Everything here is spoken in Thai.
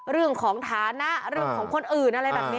เรื่องของฐานะเรื่องของคนอื่น